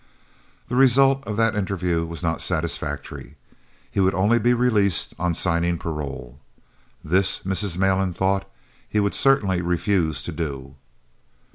The result of that interview was not satisfactory. He would only be released on signing parole. This, Mrs. Malan thought, he would certainly refuse to do.